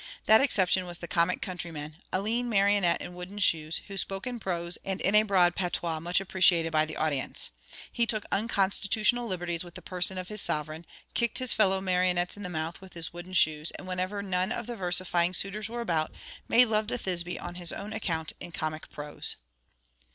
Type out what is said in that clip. That exception was the comic countryman, a lean marionnette in wooden shoes, who spoke in prose and in a broad patois much appreciated by the audience. He took unconstitutional liberties with the person of his sovereign; kicked his fellow marionnettes in the mouth with his wooden shoes, and whenever none of the versifying suitors were about, made love to Thisbe on his own account in comic prose.